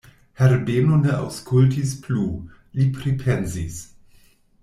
Herbeno ne aŭskultis plu; li pripensis.